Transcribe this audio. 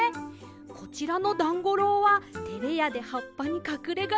こちらのだんごろうはてれやではっぱにかくれがちです。